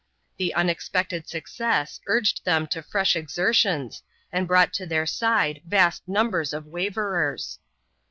The unexpected success urged them to fresh exertions and brought to their side vast numbers of waverers.